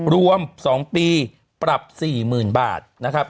รวม๒ปีปรับ๔๐๐๐บาทนะครับ